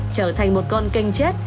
trở thành một con canh chết